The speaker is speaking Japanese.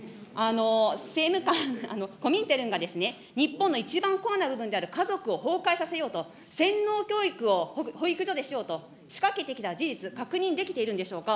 政務官、コミンテルンが日本の一番コアな部分である家族を崩壊させようと、洗脳教育を保育所でしようと、仕掛けてきた事実、確認できているんでしょうか。